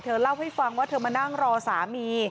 เล่าให้ฟังว่าเธอมานั่งรอสามี